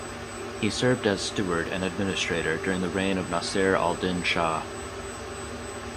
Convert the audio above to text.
He served as steward and administrator during the reign of Nasser al Din Shah.